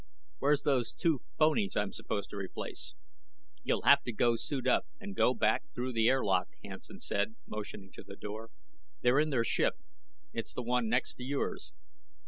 "Where's those two phonies I'm supposed to replace?" "You'll have to go suit up and go back through the airlock," Hansen said, motioning to the door. "They're in their ship. It's the one next to yours.